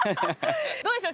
どうでしょう？